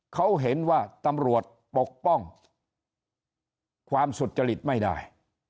เขาเห็นว่าตำรวจปกป้องความสุจริตไม่ได้